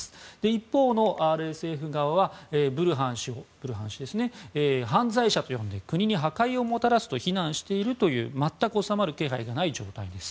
一方のＲＳＦ側はブルハン氏を犯罪者と呼んで国に破壊をもたらすと非難しているという全く収まる気配がない状態です。